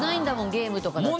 ゲームとかだって。